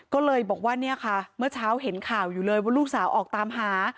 ก็เลยบอกว่าเนี่ยค่ะเมื่อเช้าเห็นข่าวอยู่เลยว่าลูกสาวออกตามหา